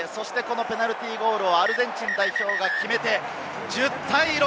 ペナルティーゴールをアルゼンチン代表が決めて、１０対６。